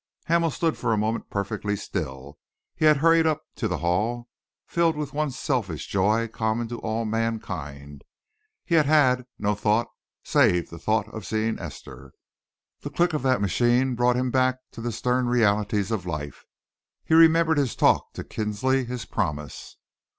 Hamel stood for a moment perfectly still. He had hurried up to the Hall, filled with the one selfish joy common to all mankind. He had had no thought save the thought of seeing Esther. The click of that machine brought him back to the stern realities of life. He remembered his talk to Kinsley, his promise.